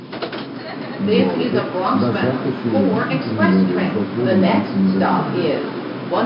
Gold, basato sulle discipline dei giochi olimpici invernali.